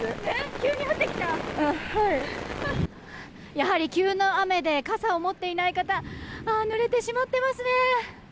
やはり急な雨で傘を持っていない方ぬれてしまっていますね。